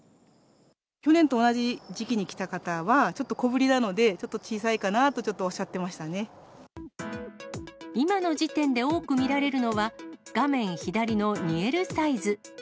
去年と同じ時期に来た方は、ちょっと小ぶりなので、ちょっと小さいかなと、ちょっとおっしゃ今の時点で多く見られるのは、画面左の２Ｌサイズ。